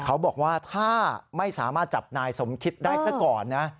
เขาบอกว่าถ้าไม่สามารถจับนายสมคิดได้ซะก่อนนะ